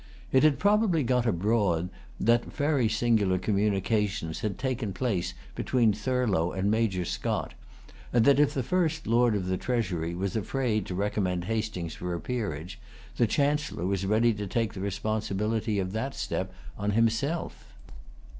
It had probably got abroad that very singular communications had taken place between Thurlow and Major Scott, and that, if the first Lord of the Treasury was afraid to recommend Hastings for a peerage, the Chancellor was ready to take the responsibility of that step on himself.